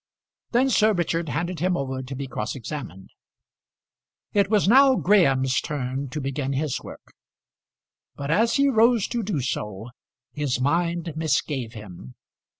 Then Sir Richard handed him over to be cross examined. It was now Graham's turn to begin his work; but as he rose to do so his mind misgave him.